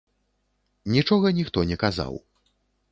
Нічога ніхто не казаў.